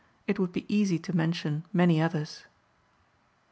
It would be easy to mention many others.